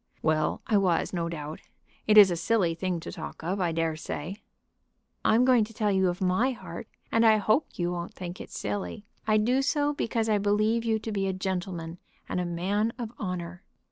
"Well I was, no doubt. It is a silly thing to talk of, I dare say." "I'm going to tell you of my heart, and I hope you won't think it silly. I do so because I believe you to be a gentleman, and a man of honor."